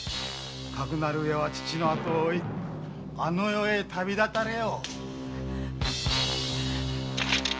かくなるうえは父の後を追いあの世へ旅立たれよ。